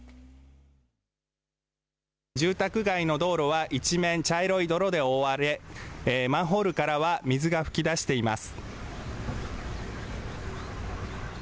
住宅街の道路は一面、茶色い泥で覆われ、マンホールからは水が噴き出しています。